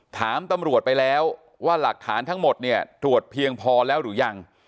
ถามตำรวจไปแล้วว่าหลักฐานทั้งหมดเนี่ยตรวจเพียงพอแล้วหรือยัง